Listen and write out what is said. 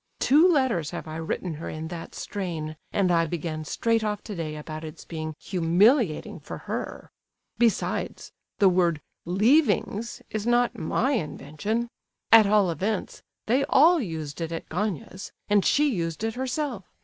Two letters have I written her in that strain, and I began straight off today about its being humiliating for her. Besides, the word 'leavings' is not my invention. At all events, they all used it at Gania's, and she used it herself.